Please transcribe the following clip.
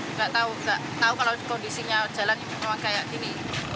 nggak tahu nggak tahu kalau kondisinya jalan memang kayak gini